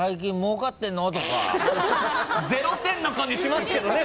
０点な感じしますけどね